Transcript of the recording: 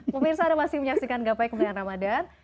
mungkin saya masih menyaksikan gapai kemuliaan ramadan